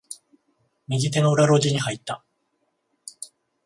右手の裏路地に入った。